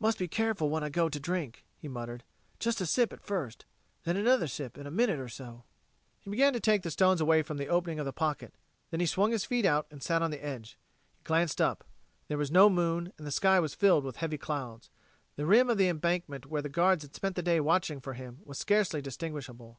"Must be careful when I go to drink," he muttered. "Just a sip at first. Then another sip in a minute or so." He began to take the stones away from the opening of the pocket; then he swung his feet out and sat on the edge. He glanced up: there was no moon, and the sky was filled with heavy clouds. The rim of the embankment where the guards had spent the day watching for him was scarcely distinguishable.